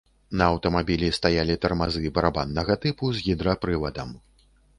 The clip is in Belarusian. На аўтамабілі стаялі тармазы барабаннага тыпу з гідрапрывадам.